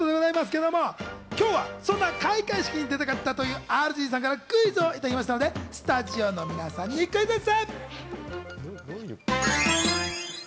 今日はそんな開会式に出たかったというＲＧさんからクイズをいただきましたので、スタジオの皆さんにクイズッス！